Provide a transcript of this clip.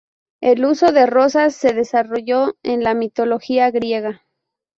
El uso de rosas se desarrolló en la mitología griega.